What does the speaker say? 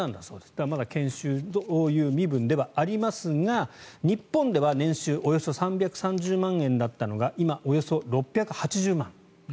だから、まだ研修という身分ではありますが日本では年収およそ３３０万円だったのが今、およそ６８０万円。